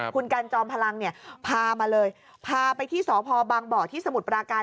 คุณกันจอมพลังเนี่ยพามาเลยพาไปที่สพบางบ่อที่สมุทรปราการ